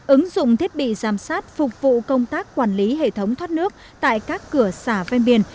ứng dụng thiết bị giám sát phục vụ công tác quản lý hệ thống thoát nước tại các cửa xả ven biển